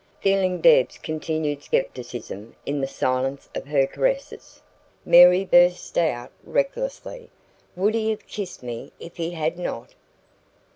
Feeling Deb's continued scepticism in the silence of her caresses, Mary burst out recklessly: "Would he have KISSED me if he had not?"